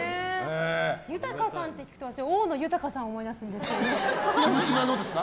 豊さんって聞くと私は大野豊さんを思い出すんですけど。